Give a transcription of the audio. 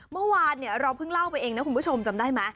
เมื่อวานเราเพิ่งเล่าไปเองนะคุณผู้ชมจำได้ไหม